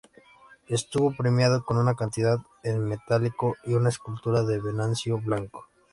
Estuvo premiado con una cantidad en metálico y una escultura de Venancio Blanco.